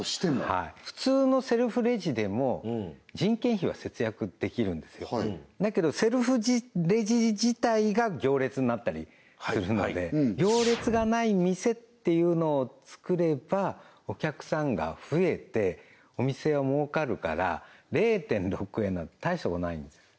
はい普通のセルフレジでも人件費は節約できるんですよだけどセルフレジ自体が行列になったりするので行列がない店っていうのを作ればお客さんが増えてお店は儲かるから０．６円なんて大したことないんですよ